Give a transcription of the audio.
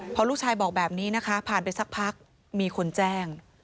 พอลูกชายบอกแบบนี้นะคะผ่านไปสักพักมีคนแจ้ง